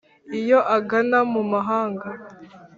Iyo agana mu mahanga